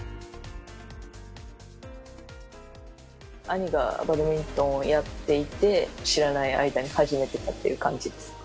兄がバドミントンをやっていて知らない間に始めてたっていう感じです。